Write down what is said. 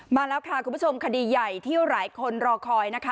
มาแล้วค่ะคุณผู้ชมคดีใหญ่ที่หลายคนรอคอยนะคะ